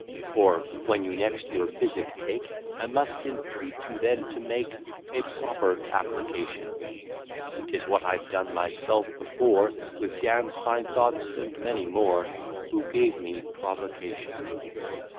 Or, when you next your physic take, I must entreat you then to make A proper application; 'Tis what I've done myself before, With Dan's fine thoughts and many more, Who gave me provocation.